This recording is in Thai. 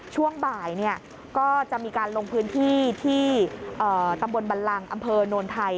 ช่วงบ่ายก็จะมีการลงพื้นที่ที่ตำบลบันลังอำเภอโนนไทย